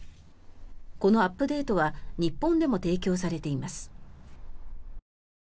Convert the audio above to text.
このアップデートは日本でも提供されています。